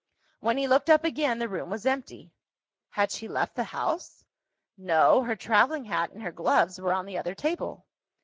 When he looked up again, the room was empty. Had she left the house? No: her travelling hat and her gloves were on the other table.